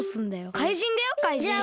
かいじんだよかいじん。